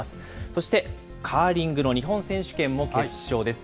そしてカーリング日本選手権も決勝です。